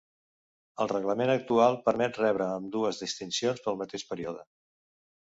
El reglament actual permet rebre ambdues distincions pel mateix període.